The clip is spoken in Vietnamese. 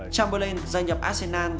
chamberlain gia nhập arsenal